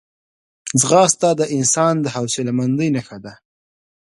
ځغاسته د انسان د حوصلهمندۍ نښه ده